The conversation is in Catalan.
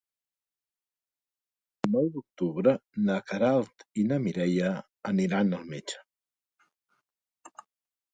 El nou d'octubre na Queralt i na Mireia iran al metge.